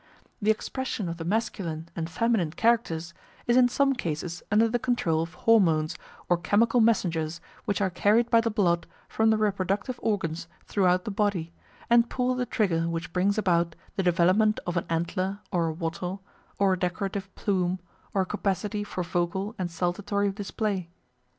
The expression of the masculine and feminine characters is in some cases under the control of hormones or chemical messengers which are carried by the blood from the reproductive organs throughout the body, and pull the trigger which brings about the development of an antler or a wattle or a decorative plume or a capacity for vocal and saltatory display.